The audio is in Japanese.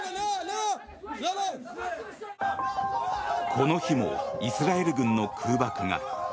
この日もイスラエル軍の空爆が。